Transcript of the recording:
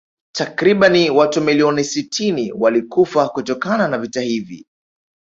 Takriban watu milioni sitini walikufa kutokana na vita hivi